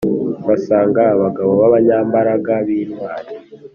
Basanga abagabo b abanyambaraga b intwari